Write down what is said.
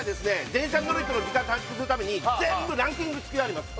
電車に乗る人の時間短縮するために全部ランキングつけられます